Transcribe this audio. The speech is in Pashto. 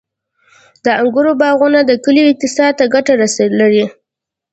• د انګورو باغونه د کلیو اقتصاد ته ګټه لري.